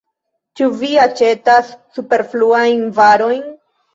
Ĉu vi aĉetas superfluajn varojn?